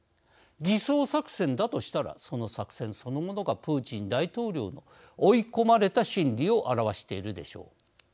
偽装作戦だとしたらその作戦そのものがプーチン大統領の追い込まれた心理を表しているでしょう。